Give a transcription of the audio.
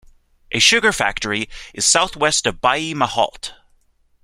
A sugar factory is southwest of Baie-Mahault.